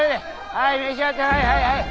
はい召し上がってはいはいはい。